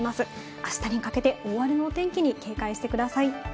あしたにかけて大荒れの天気に警戒してください。